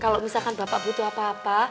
kalau misalkan bapak butuh apa apa